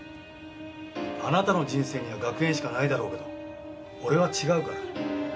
あなたの人生には学園しかないだろうけど俺は違うから。